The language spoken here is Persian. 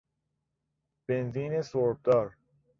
بنزین سربدار